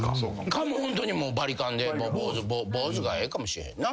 かホントにバリカンで坊主がええかもしれへんな。